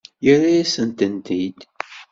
Yerra-yasent-tent-id.